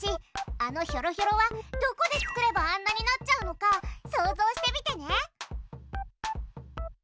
あのひょろひょろはどこで作ればあんなになっちゃうのか想像してみてね。